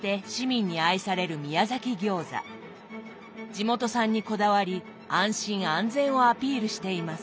地元産にこだわり安心安全をアピールしています。